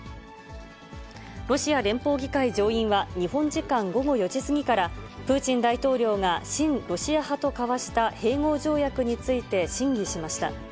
ロシア連邦議会上院は、日本時間午後４時過ぎから、プーチン大統領が親ロシア派と交わした併合条約について審議しました。